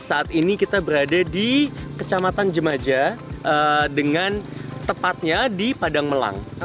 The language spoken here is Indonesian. saat ini kita berada di kecamatan jemaja dengan tepatnya di padang melang